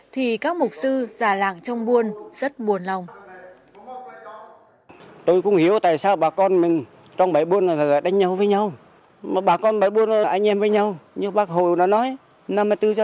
thì các mục sư giả lạng trong buôn rất buồn lòng